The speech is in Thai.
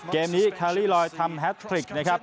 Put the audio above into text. เกมนี้คารี่ลอยทำแฮทริกนะครับ